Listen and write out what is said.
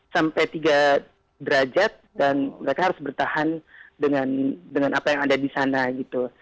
sampai tiga derajat dan mereka harus bertahan dengan apa yang ada di sana gitu